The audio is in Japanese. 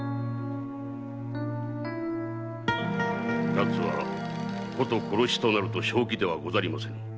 奴は殺しとなると正気ではござりませぬ。